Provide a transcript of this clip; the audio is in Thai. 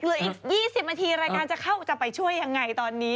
เหลืออีก๒๐นาทีรายการจะเข้าจะไปช่วยยังไงตอนนี้